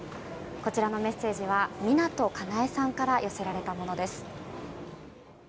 こちらのメッセージは湊かなえさんから寄せられたものです。